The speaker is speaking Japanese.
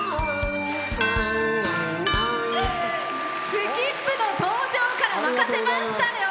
スキップの登場から沸かせましたよ。